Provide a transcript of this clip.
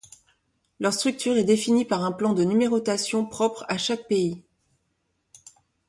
Leur structure est définie par un plan de numérotation propre à chaque pays.